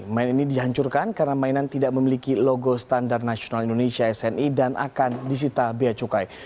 main ini dihancurkan karena mainan tidak memiliki logo standar nasional indonesia sni dan akan disita bea cukai